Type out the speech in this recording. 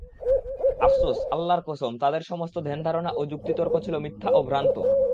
আফসোস, আল্লাহর কসম, তাদের সমস্ত ধ্যান-ধারণা ও যুক্তি-তর্ক ছিল মিথ্যা ও ভ্রান্ত।